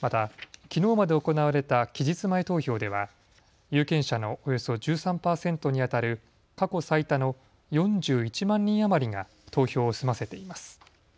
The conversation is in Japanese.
また、きのうまで行われた期日前投票では有権者のおよそ１３％にあたる過去最多の４１万人余りが投票を済ませています。